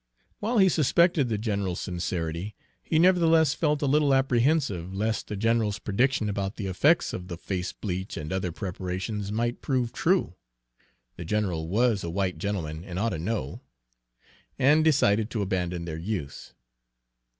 While he suspected the general's sincerity, he nevertheless felt a little apprehensive lest the general's prediction about the effects of the face bleach and other preparations might prove true, the general was a white gentleman and ought to know, and decided to abandon their use.